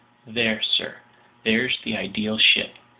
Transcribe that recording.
There, sir. There's the ideal ship!